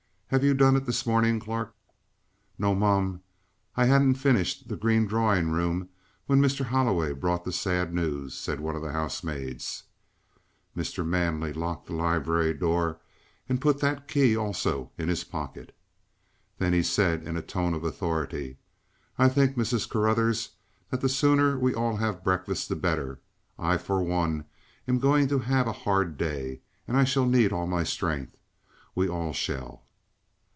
Have you done it this morning, Clarke?" "No, mum. I hadn't finished the green droring room when Mr. Holloway brought the sad news," said one of the housemaids. Mr. Manley locked the library door and put that key also in his pocket. Then he said in a tone of authority: "I think, Mrs. Carruthers, that the sooner we all have breakfast the better. I for one am going to have a hard day, and I shall need all my strength. We all shall."